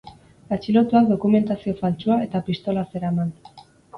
Atxilotuak dokumentazio faltsua eta pistola zeraman.